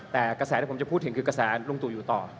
แต่กระแสที่ผมจะพูดถึงคือกระแสลุงตู่อยู่ต่อ